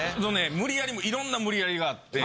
無理矢理いろんな無理矢理があって。